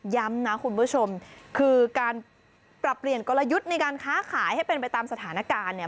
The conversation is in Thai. ย้ำนะคุณผู้ชมคือการปรับเปลี่ยนกลยุทธ์ในการค้าขายให้เป็นไปตามสถานการณ์เนี่ย